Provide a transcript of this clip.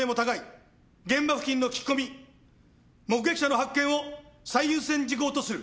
現場付近の聞き込み目撃者の発見を最優先事項とする。